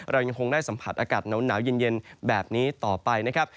เรายังคงได้สัมผัสอากาศหนาวเย็นแบบนี้ต่อไปนะครับ